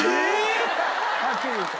はっきり言うと。